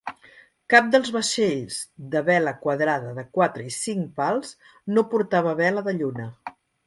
Cap dels vaixells de vela quadrada de quatre i cinc pals no portava vela de lluna.